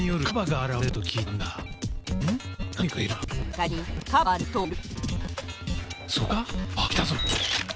あっいたぞ！